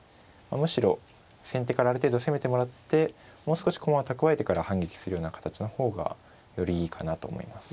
むしろ先手からある程度攻めてもらってもう少し駒を蓄えてから反撃するような形の方がよりいいかなと思います。